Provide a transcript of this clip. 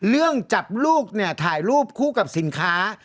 เรื่องจับลูกเนี่ยถ่ายรูปคู่กับสินค้า